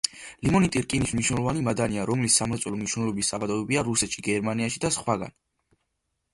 ლიმონიტი რკინის მნიშვნელოვანი მადანია, რომლის სამრეწველო მნიშვნელობის საბადოებია რუსეთში, გერმანიაში და სხვაგან.